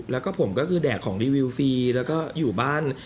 แล้วก็ผมก็คือแดกของรีวิวฟรีแล้วก็อยู่บ้าน